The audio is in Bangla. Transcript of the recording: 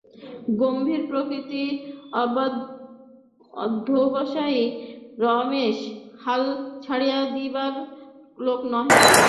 গম্ভীরপ্রকৃতি অধ্যবসায়ী রমেশ হাল ছাড়িয়া দিবার লোক নহে।